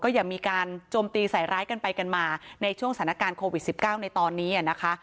ก็อย่ามีการจมตีสายร้ายกันไปกันมาในช่วงสถานการณ์โควิดสิบเก้าในตอนนี้อ่ะนะคะ